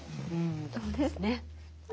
そうですね。